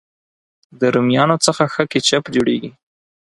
د رومیانو څخه ښه کېچپ جوړېږي.